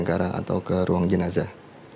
atau ke ruang jenazah